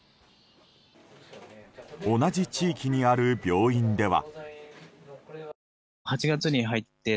同じ地域にある病院では。